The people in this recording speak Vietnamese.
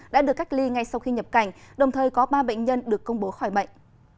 đã được cách ly ngay sau khi nhập cảnh đồng thời có ba bệnh nhân được công bố khỏi bệnh